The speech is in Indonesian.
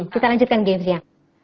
kita lanjutkan gensia